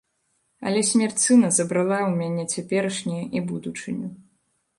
Але смерць сына забрала ў мяне цяперашняе і будучыню.